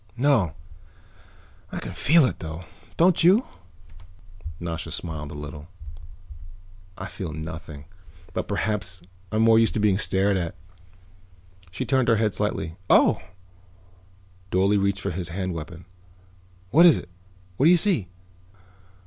"No. I can feel it, though. Don't you?" Nasha smiled a little. "I feel nothing, but perhaps I'm more used to being stared at." She turned her head slightly. "Oh!" Dorle reached for his hand weapon. "What is it? What do you see?"